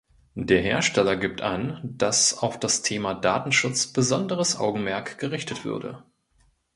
Der Hersteller gibt an, dass auf das Thema Datenschutz besonderes Augenmerk gerichtet würde.